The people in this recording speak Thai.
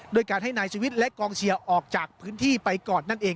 โดยการให้นายชีวิตและกองเชียร์ออกจากพื้นที่ไปก่อนนั่นเอง